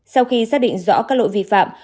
sau khi xác định rõ các lỗi vi phạm